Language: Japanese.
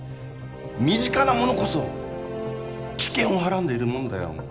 身近なものこそ危険をはらんでいるもんだよ